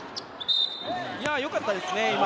よかったですね、今。